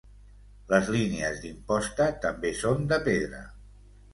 Les línies d'imposta també són de pedra.